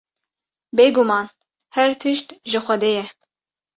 Bêguman her tişt ji Xwedê ye.